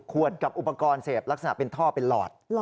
ขวดกับอุปกรณ์เสพลักษณะเป็นท่อเป็นหลอด